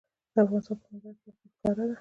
د افغانستان په منظره کې یاقوت ښکاره ده.